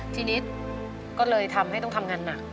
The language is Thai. ทีนี้ก็เลยทำให้ต้องทำงานหนัก